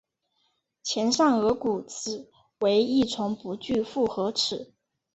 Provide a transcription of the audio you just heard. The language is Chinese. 前上颌骨齿为一丛不具复合齿。